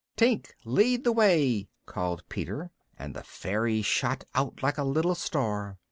"Tink, lead the way!" called Peter, and the fairy shot out like a little star.